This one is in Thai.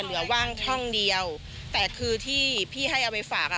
ว่างช่องเดียวแต่คือที่พี่ให้เอาไปฝากอ่ะ